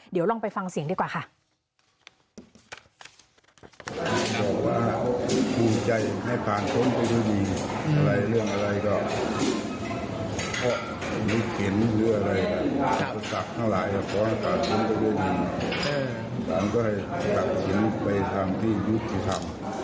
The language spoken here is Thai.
เดี๋ยวลองไปฟังเสียงดีกว่าค่ะ